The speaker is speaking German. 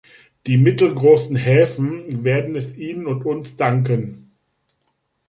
Die mittelgroßen Häfen werden es Ihnen und uns danken.